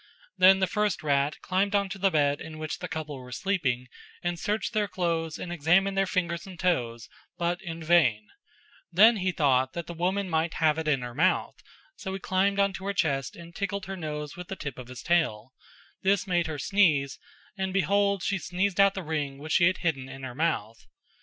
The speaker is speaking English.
Then the first rat climbed on to the bed in which the couple were sleeping and searched their clothes and examined their fingers and toes but in vain; then he thought that the woman might have it in her mouth so he climbed on to her chest and tickled her nose with the tip of his tail; this made her sneeze and behold she sneezed out the ring which she had hidden in her mouth.